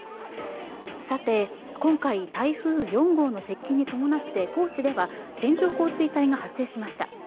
今回、台風４号の接近に伴って高知では線状降水帯が発生しました。